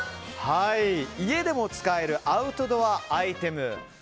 家でも使えるアウトドアアイテム。